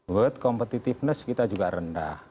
world competitiveness kita juga rendah